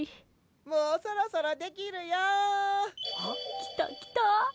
もうそろそろできるよ。来た来た！